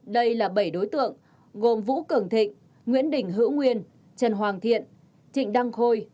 đây là bảy đối tượng gồm vũ cường thịnh nguyễn đình hữu nguyên trần hoàng thiện trịnh đăng khôi